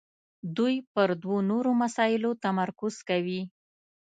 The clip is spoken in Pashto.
دوی پر دوو نورو مسایلو تمرکز کوي.